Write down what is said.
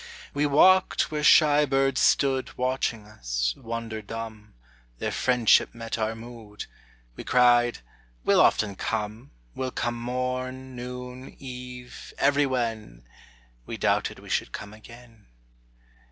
We walked where shy birds stood Watching us, wonder dumb; Their friendship met our mood; We cried: "We'll often come: We'll come morn, noon, eve, everywhen!" —We doubted we should come again.